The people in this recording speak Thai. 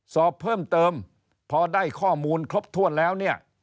สอบเพิ่มเติมพอได้ข้อมูลครบถ้วนแล้วเนี่ย